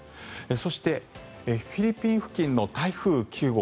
そしてフィリピン付近の台風９号